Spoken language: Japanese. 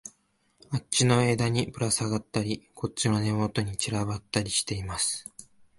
あっちの枝にぶらさがったり、こっちの根元に散らばったりしています